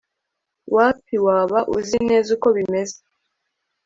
wapi waba uzi neza uko bimeze